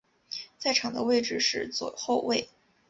在场上的位置是左后卫。